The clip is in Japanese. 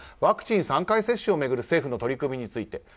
ワクチン３回接種を巡る政府の取り組みについて。